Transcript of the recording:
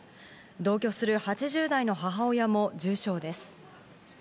同居する８０代の母親も重傷です。